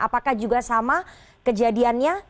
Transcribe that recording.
apakah juga sama kejadiannya